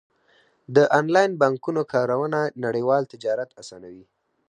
د انلاین بانکونو کارونه نړیوال تجارت اسانوي.